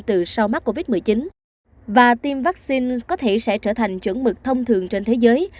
từ sau mắc covid một mươi chín và tiêm vaccine có thể sẽ trở thành chuẩn mực thông thường trên thế giới